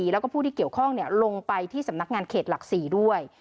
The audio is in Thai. แล้วก็ผู้ที่เกี่ยวข้องลงไปที่สำนักงานเขตหลัก๔ด้วย